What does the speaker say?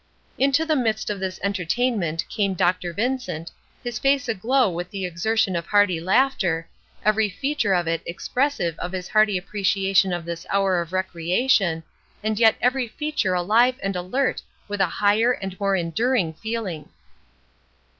Into the midst of this entertainment came Dr. Vincent, his face aglow with the exertion of hearty laughter, every feature of it expressive of his hearty appreciation of this hour of recreation and yet every feature alive and alert with a higher and more enduring feeling.